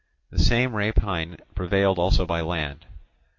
The same rapine prevailed also by land.